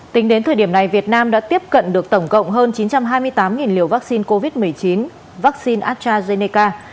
tính đến thời điểm này việt nam đã tiếp cận được tổng cộng hơn chín trăm hai mươi tám liều vaccine covid một mươi chín vaccine astrazeneca